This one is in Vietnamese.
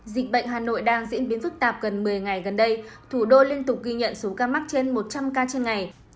dịch bệnh hà nội đang diễn biến phức tạp gần một mươi ngày gần đây thủ đô liên tục ghi nhận số ca mắc trên một trăm linh ca trên ngày